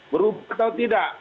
berubah atau tidak